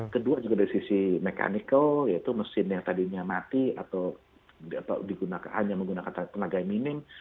kedua juga dari sisi mechanical yaitu mesin yang tadinya mati atau hanya menggunakan tenaga yang minim